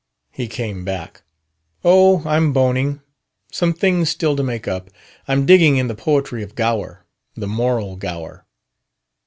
He came back. "Oh, I'm boning. Some things still to make up. I'm digging in the poetry of Gower the 'moral Gower'."